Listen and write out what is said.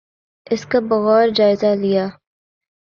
اس کا بغور جائزہ لیا۔